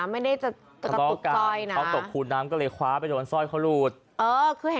ไม่ได้จะกระตุกส้อยนะ